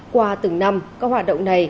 qua từng năm các hoạt động này